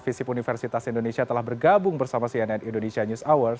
visip universitas indonesia telah bergabung bersama cnn indonesia news hour